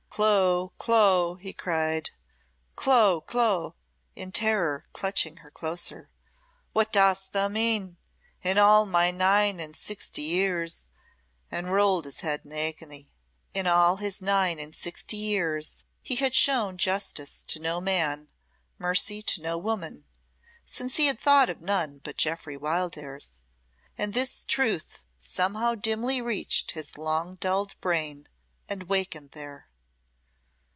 "Clo, Clo!" he cried, "Clo, Clo!" in terror, clutching her the closer, "what dost thou mean? In all my nine and sixty years " and rolled his head in agony. In all his nine and sixty years he had shown justice to no man, mercy to no woman, since he had thought of none but Jeoffry Wildairs; and this truth somehow dimly reached his long dulled brain and wakened there.